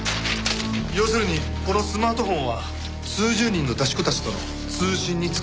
要するにこのスマートフォンは数十人の出し子たちとの通信に使われていたと？